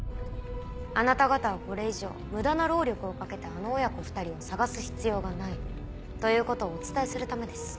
あなた方はこれ以上無駄な労力をかけてあの親子２人を捜す必要がない。ということをお伝えするためです。